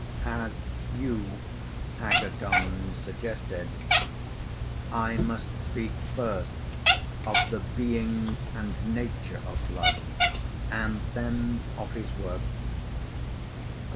As you, Agathon, suggested (supra), I must speak first of the being and nature of Love, and then of his works.